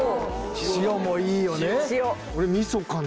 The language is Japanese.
塩もいいよね俺。